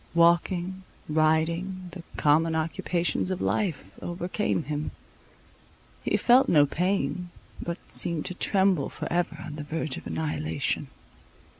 Walking, riding, the common occupations of life, overcame him: he felt no pain, but seemed to tremble for ever on the verge of annihilation.